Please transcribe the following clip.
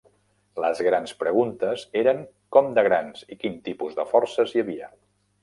Les grans preguntes eren com de grans i quin tipus de forces hi havia.